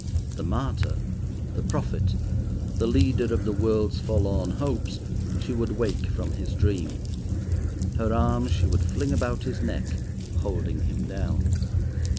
The martyr, the prophet, the leader of the world's forlorn hopes, she would wake from his dream. Her arms she would fling about his neck holding him down.